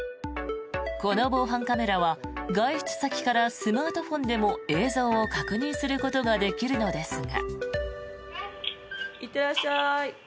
この防犯カメラは外出先からスマートフォンでも映像を確認することができるのですが。